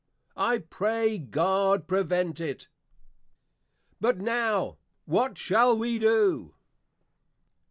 I pray God prevent it! But now, _What shall we do?